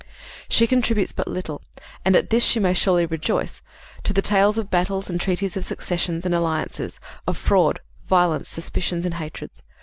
She contributes but little, and at this she may surely rejoice, to the tales of battles and treaties of successions and alliances, of violence, fraud, suspicions and hatreds.